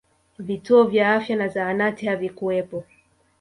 vituo vya afya na zahanati havikuwepo